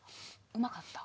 うまかった？